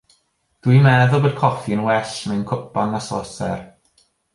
Dw i'n meddwl bod coffi'n well mewn cwpan a sosar.